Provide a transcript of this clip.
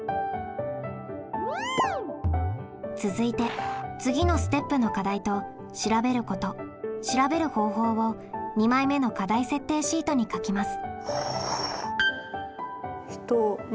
続いて次のステップの課題と調べること調べる方法を２枚目の課題設定シートに書きます。